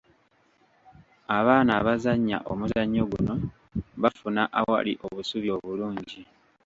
Abaana abazannya omuzannyo guno bafuna awali obusubi obulungi.